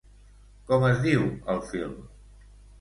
Com es diu el film?